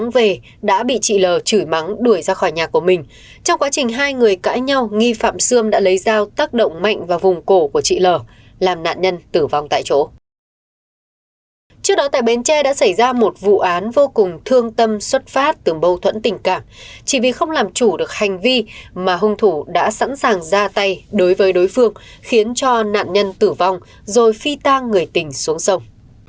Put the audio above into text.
vì không làm chủ được hành vi mà hung thủ đã sẵn sàng ra tay đối với đối phương khiến cho nạn nhân tử vong rồi phi tan người tình xuống sông